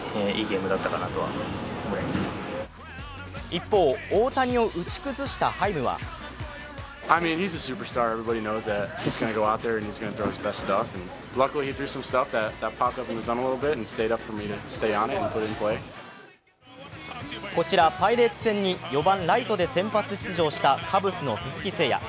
一方、大谷を打ち崩したハイムはこちらパイレーツ戦に４番・ライトで先発出場したカブスの鈴木誠也。